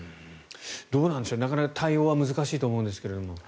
どうなんでしょうなかなか対応は難しいと思うんですが。